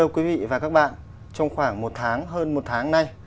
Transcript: quý vị và các bạn trong khoảng một tháng hơn một tháng nay